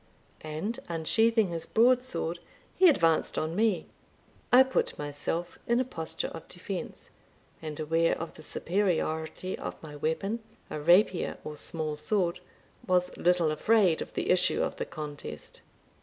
and unsheathing his broadsword, he advanced on me. I put myself in a posture of defence, and aware of the superiority of my weapon, a rapier or small sword, was little afraid of the issue of the contest.